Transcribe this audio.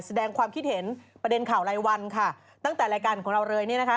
แสดงความคิดเห็นประเด็นข่าวรายวันค่ะตั้งแต่รายการของเราเลยเนี่ยนะคะ